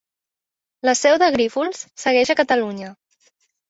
La seu de Grífols segueix a Catalunya.